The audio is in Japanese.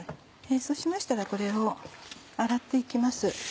そうしましたらこれを洗って行きます。